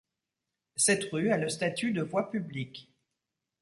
Cette rue a le statut de voie publique.